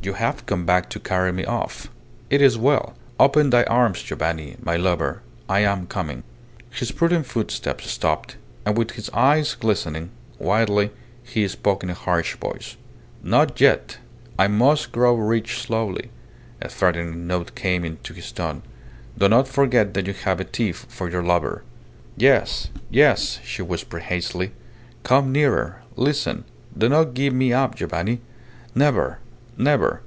"You have come back to carry me off. It is well! Open thy arms, Giovanni, my lover. I am coming." His prudent footsteps stopped, and with his eyes glistening wildly, he spoke in a harsh voice: "Not yet. I must grow rich slowly." ... A threatening note came into his tone. "Do not forget that you have a thief for your lover." "Yes! Yes!" she whispered, hastily. "Come nearer! Listen! Do not give me up, Giovanni! Never, never!